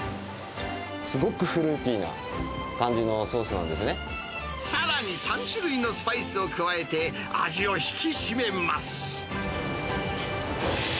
すごくフルーティーな感じのさらに、３種類のスパイスを加えて、味を引き締めます。